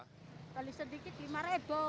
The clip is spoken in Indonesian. paling sedikit lima ribu